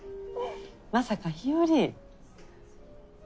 まさか日和？